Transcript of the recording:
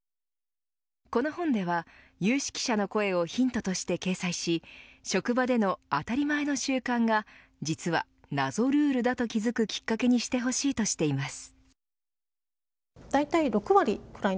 この本では、有識者の声をヒントとして掲載し職場での当たり前の習慣が実は、謎ルールだと気付くきっかけにしてほしいとしています。